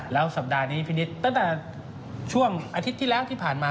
แล้วสัปดาห์นี้พี่นิดตั้งแต่ช่วงอาทิตย์ที่แล้วที่ผ่านมา